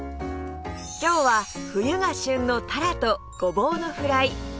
今日は冬が旬のタラとごぼうのフライ！